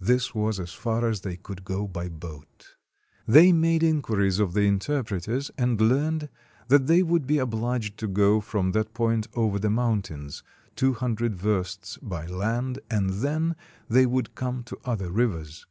This was as far as they could go by boat. They made inquiries of the interpreters, and learned that they would be obliged to go from that point over the mountains, two hundred versts by land, and then they would come to other rivers.